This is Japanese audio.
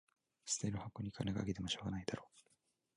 捨てる箱に金かけてもしょうがないだろ